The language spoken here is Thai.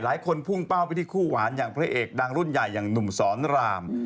พุ่งเป้าไปที่คู่หวานอย่างพระเอกดังรุ่นใหญ่อย่างหนุ่มสอนราม